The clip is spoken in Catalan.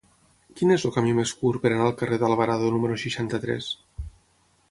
Quin és el camí més curt per anar al carrer d'Alvarado número seixanta-tres?